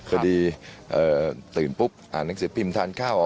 พอดีตื่นปุ๊บอ่านหนังสือพิมพ์ทานข้าว